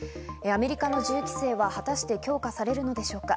アメリカの銃規制は果たして強化されるのでしょうか。